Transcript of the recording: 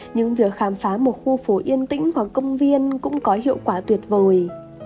nhưng việc khám phá một khu phố yên tĩnh hoặc công viên cũng có hiệu quả tuyệt vời